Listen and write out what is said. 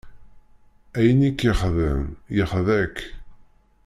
Ayen i k-yexḍan, yexḍa-k.